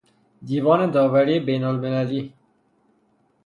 دیوان داوری بین المللی